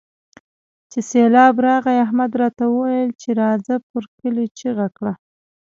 چې سېبلاب راغی؛ احمد راته وويل چې راځه پر کلي چيغه کړه.